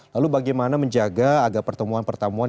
lalu bagaimana menjaga agar pertemuan pertemuan